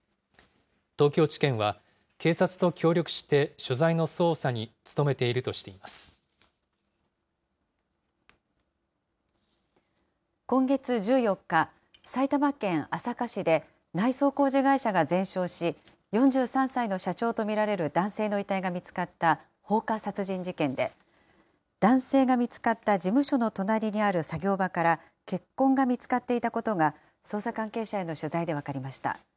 東京地検は、警察と協力して、所在の捜査に努めているとしていま今月１４日、埼玉県朝霞市で内装工事会社が全焼し、４３歳の社長と見られる男性の遺体が見つかった放火殺人事件で、男性が見つかった事務所の隣にある作業場から血痕が見つかっていたことが、捜査関係者への取材で分かりました。